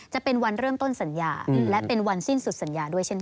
จะเป็นวันเริ่มต้นสัญญาและเป็นวันสิ้นสุดสัญญาด้วยเช่นกัน